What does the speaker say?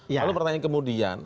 lalu pertanyaan kemudian